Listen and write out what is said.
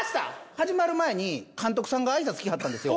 始まる前に監督さんが挨拶きはったんですよ。